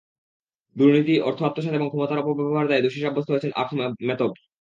দুর্নীতি, অর্থ আত্মসাৎ এবং ক্ষমতার অপব্যবহারের দায়ে দোষী সাব্যস্ত হয়েছেন আখমেতভ।